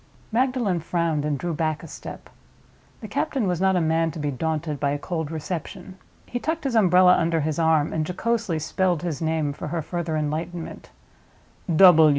Magdalen frowned, and drew back a step. The captain was not a man to be daunted by a cold reception. He tucked his umbrella under his arm and jocosely spelled his name for her further enlightenment.